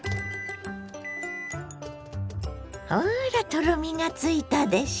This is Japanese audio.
ほらとろみがついたでしょ。